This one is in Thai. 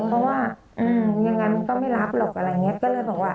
เพราะว่ายังไงมันก็ไม่รับหรอกอะไรอย่างนี้ก็เลยบอกว่า